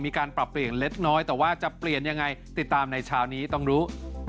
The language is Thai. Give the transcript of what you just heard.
มีการปรับเปลี่ยนเล็กน้อยแต่ว่าจะเปลี่ยนยังไงติดตามในเช้านี้ต้องรู้